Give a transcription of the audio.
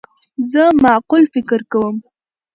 زه معقول فکر کوم.